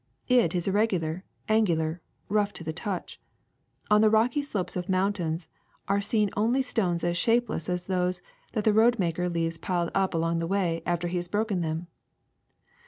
It is irregular, angular, rough to the touch. On the rocky slopes of mountains are seen only stones as shapeless as those that the road maker leaves piled up along the way after he has broken them.